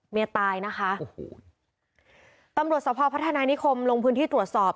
เมียตายนะคะโอ้โหตำรวจสภพัฒนานิคมลงพื้นที่ตรวจสอบ